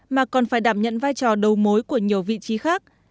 mà còn phải đảm nhận vai trò đầu mối của nhiều vị trí khác